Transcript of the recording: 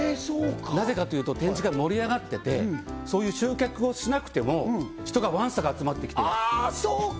なぜかというと展示会盛り上がっててそういう集客をしなくても人がわんさか集まってきてああそうか！